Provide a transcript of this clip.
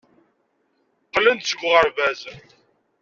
Qqlen-d seg uɣerbaz.